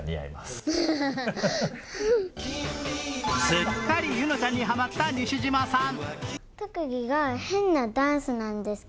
すっかり柚乃ちゃんにハマった西島さん。